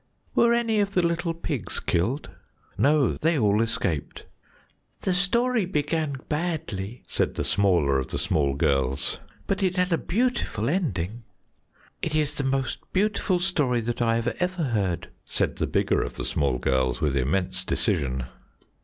"Were any of the little pigs killed?" "No, they all escaped." "The story began badly," said the smaller of the small girls, "but it had a beautiful ending." "It is the most beautiful story that I ever heard," said the bigger of the small girls, with immense decision.